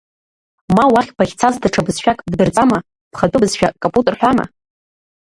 Ма уахь бахьцаз даҽа бызшәак бдырҵама, бхатәы бызшәа капут рҳәама?